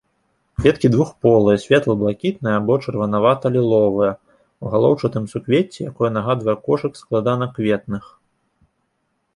Кветкі двухполыя, светла-блакітныя або чырванавата-ліловыя, у галоўчатым суквецці, якое нагадвае кошык складанакветных.